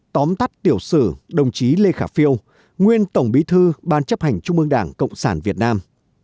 tóm tắt tiểu sử đồng chí lê khả phiêu nguyên tổng bí thư ban chấp hành trung ương đảng cộng sản việt nam